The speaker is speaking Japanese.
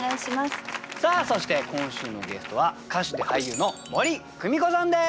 さあそして今週のゲストは歌手で俳優の森公美子さんです。